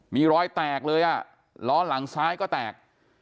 มีรอยแตกเลยอ่ะล้อหลังซ้ายก็แตก